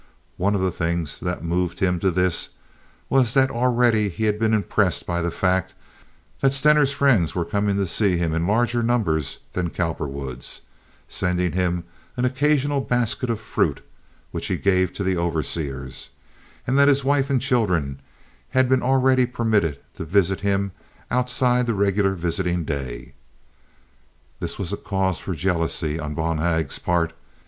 One of the things that moved him to this, was that already he had been impressed by the fact that Stener's friends were coming to see him in larger numbers than Cowperwood's, sending him an occasional basket of fruit, which he gave to the overseers, and that his wife and children had been already permitted to visit him outside the regular visiting day. This was a cause for jealousy on Bonhag's part.